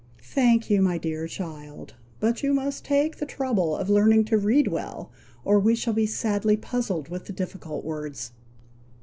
"Thank you, my dear child! but you must take the trouble of learning to read well, or we shall be sadly puzzled with the difficult words.